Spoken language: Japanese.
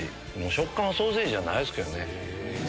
食感はソーセージじゃないですけどね。